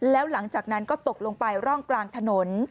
แล้วหลังจากนั้นก็ตกลงไปร่องกลางถนน